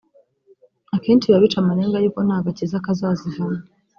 akenshi biba bica amarenga yuko nta gakiza kazazivamo